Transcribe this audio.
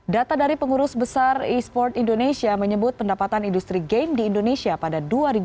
data dari pengurus besar e sport indonesia menyebut pendapatan industri game di indonesia pada dua ribu delapan belas